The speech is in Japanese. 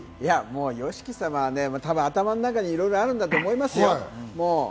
ＹＯＳＨＩＫＩ様は頭の中にいろいろあるんだと思いますよ。